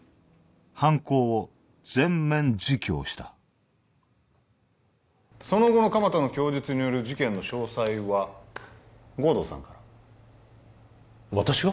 犯行を全面自供したその後の鎌田の供述による事件の詳細は護道さんから私が！？